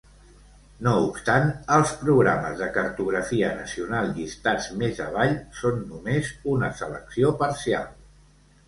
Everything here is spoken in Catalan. No obstant, els programes de cartografia nacional llistats més avall són només una selecció parcial.